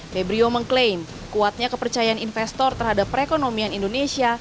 febrio mengklaim kuatnya kepercayaan investor terhadap perekonomian indonesia